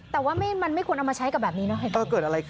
แต่ว่ามันไม่ควรเอามาใช้กับแบบนี้เนาะ